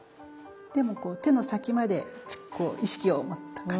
でもこう手の先まで意識を持った。